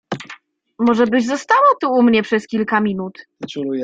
Może byś została tu u mnie przez kilka minut?